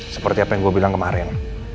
seperti apa yang gue bilang kemarin